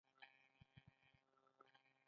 د وینې د مینځلو لپاره باید څه شی وکاروم؟